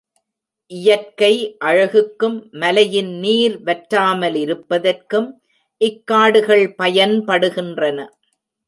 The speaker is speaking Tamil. இயற்கை அழகுக்கும், மலையில் நீர் வற்றாமலிருப்பதற்கும் இக் காடுகள் பயன்படுகின்றன.